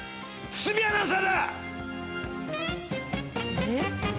堤アナウンサー。